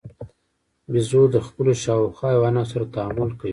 بیزو د خپلو شاوخوا حیواناتو سره تعامل کوي.